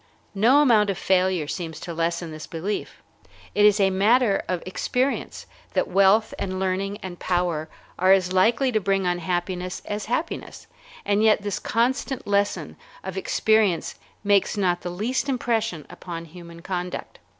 No amount of failure seems to lessen this belief. It is matter of experience that wealth and learning and power are as likely to bring unhappiness as happiness, and yet this constant lesson of experience makes not the least impression upon human conduct.